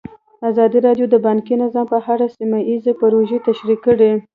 ازادي راډیو د بانکي نظام په اړه سیمه ییزې پروژې تشریح کړې.